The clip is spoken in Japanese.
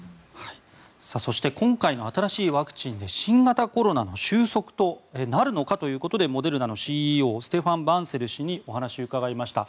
そして今回の新しいワクチンで新型コロナの終息となるのかということでモデルナのＣＥＯステファン・バンセル氏にお話を伺いました。